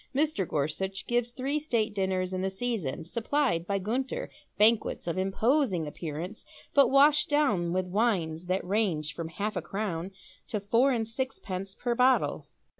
Mr. Gorsuch gives three state dinners in the season, supplied by Gunter, banquets of imposing appearance, but washed down with wines that range from half a crown to four and sixpence per bottle.